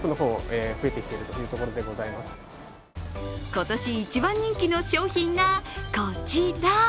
今年一番人気の商品が、こちら。